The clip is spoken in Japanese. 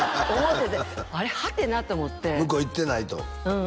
「ハテナ」と思って向こう行ってないとうん